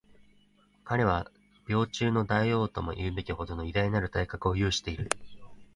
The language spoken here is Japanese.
彼は猫中の大王とも云うべきほどの偉大なる体格を有している